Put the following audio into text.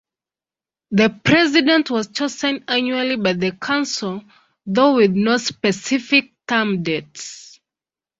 The president was chosen annually by the council, though with no specific term dates.